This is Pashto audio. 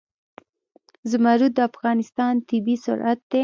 زمرد د افغانستان طبعي ثروت دی.